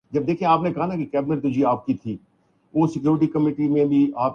، تو پھر کس اچھے وقت کی امید رکھی جا سکتی ہے ۔